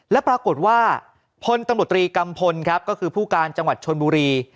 และปรากฏว่าพลตำรวจตรีกัมพลครับก็คือผู้การจังหวัดชนบุรี